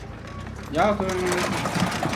El flúor es mucho más tóxico en los niños.